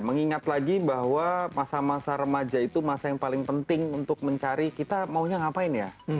mengingat lagi bahwa masa masa remaja itu masa yang paling penting untuk mencari kita maunya ngapain ya